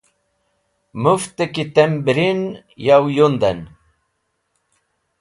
Mũft a ki tem birin yow yunden.